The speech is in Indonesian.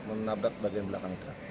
menabrak bagian belakang truk